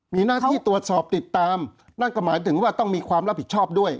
มีหน้าที่ตรวจสอบติดตามนั่นก็หมายถึงว่าต้องมีความรับผิดชอบด้วย